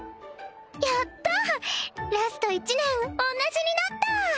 やったラスト１年同じになった！